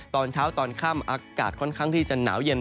ตอนเช้าตอนค่ำอากาศค่อนข้างที่จะหนาวเย็น